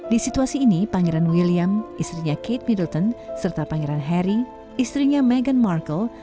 di situasi ini pangeran william istrinya kate middleton serta pangeran harry istrinya meghan markle